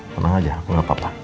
tenang aja aku gak apa apa